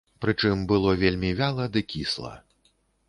Прычым было вельмі вяла ды кісла.